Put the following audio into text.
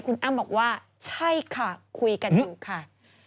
คุณอ้ำบอกว่าใช่ค่ะคุยกันอยู่ค่ะ